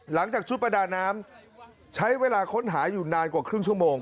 หลังจากชุดประดาน้ำใช้เวลาค้นหาอยู่นานกว่าครึ่งชั่วโมง